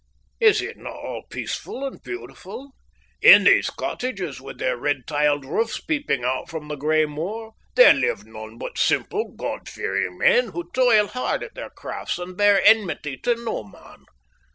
Is it not all peaceful and beautiful? In these cottages, with their red tiled roofs peeping out from the grey moor, there live none but simple, God fearing men, who toil hard at their crafts and bear enmity to no man.